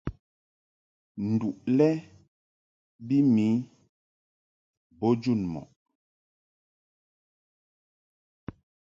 Nduʼ lɛ bi mi bo jun mɔʼ.